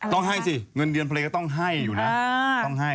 ต้องให้สิเงินเวลาไทยก็ต้องให้อยู่นะ